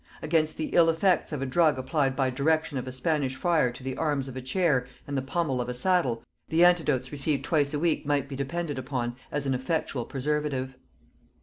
Against the ill effects of a drug applied by direction of a Spanish friar to the arms of a chair and the pommel of a saddle, the antidotes received twice a week might be depended upon as an effectual preservative.